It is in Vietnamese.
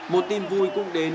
một tin vui cũng đến